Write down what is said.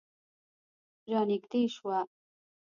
رانږدې شوه.